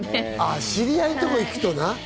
知り合いのとこ行くとな。